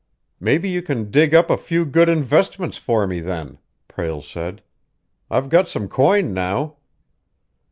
"Maybe you can dig up a few good investments for me, then," Prale said. "I've got some coin now."